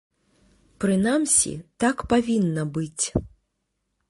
Прынамсі, так павінна быць.